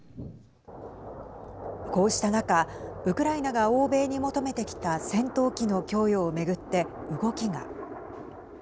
こうした中、ウクライナが欧米に求めてきた戦闘機の供与を巡って動きが。